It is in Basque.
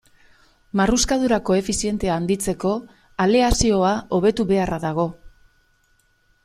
Marruskadura koefizientea handitzeko aleazioa hobetu beharra dago.